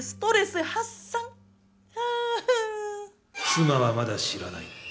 妻はまだ知らない。